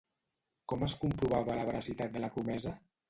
Com es comprovava la veracitat de la promesa?